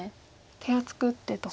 手厚く打ってと。